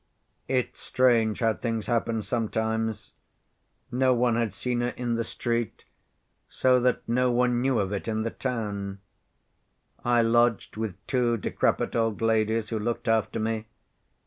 "It's strange how things happen sometimes. No one had seen her in the street, so that no one knew of it in the town. I lodged with two decrepit old ladies, who looked after me.